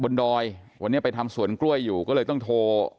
ดอยวันนี้ไปทำสวนกล้วยอยู่ก็เลยต้องโทร